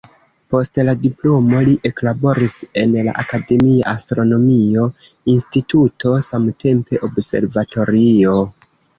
Post la diplomo li eklaboris en la akademia astronomio instituto, samtempe observatorio.